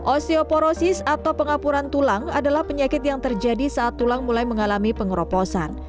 osteoporosis atau pengapuran tulang adalah penyakit yang terjadi saat tulang mulai mengalami pengeroposan